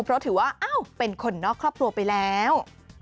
เพราะถือว่าเป็นคนนอกครอบครัวไปแล้ว